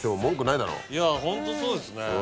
いやホントそうですね。